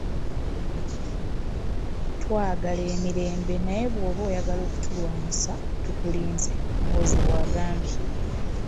"Twagala emirembe naye bw'oba oyagala okutulwanyisa, tukulinze!” Muhoozi bw'agambye.